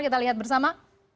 kita lihat bersama